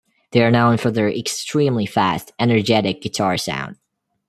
They are known for their extremely fast, energetic guitar sound.